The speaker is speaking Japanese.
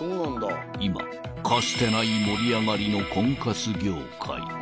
［今かつてない盛り上がりの婚活業界］